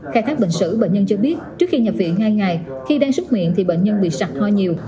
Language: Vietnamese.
khai thác bệnh sử bệnh nhân cho biết trước khi nhập viện hai ngày khi đang súc miệng thì bệnh nhân bị sặc ho nhiều